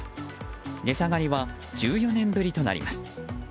値下がりは１４年ぶりとなります。